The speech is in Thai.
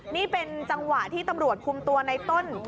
นี่เป็นจังหวะที่ตำรวจคุมตัวในต้น